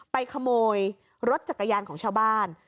ขโมยรถจักรยานของชาวบ้าน